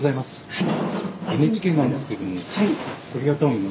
はい。